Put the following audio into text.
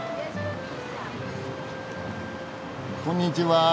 こんにちは。